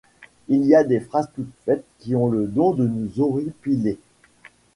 Il y a des phrases toutes faites qui ont le don de nous horripiler.